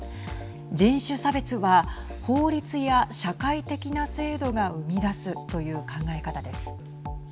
人種差別は法律や社会的な制度が生み出すという考え方です。